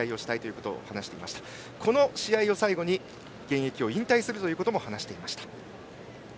この試合を最後に現役を引退することも話していました。